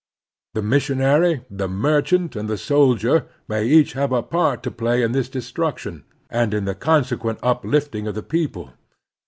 The missionary, the mer^ National Duties 279 chant and the soldier may each have to play a part in this destruction, and in the consequent uplifting of the people.